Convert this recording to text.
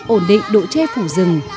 ổn định độ tre phủ rừng